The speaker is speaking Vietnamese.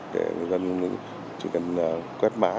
để người dân chỉ cần quét má